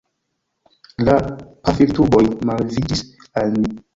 La pafiltuboj malleviĝis al ni.